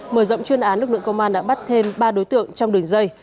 mở rộng chuyên án lực lượng công an đã bắt thêm ba đối tượng trong đường dây